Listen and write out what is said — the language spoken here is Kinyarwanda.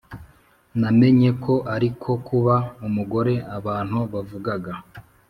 namenye ko ari ko kuba umugore abantu bavugaga,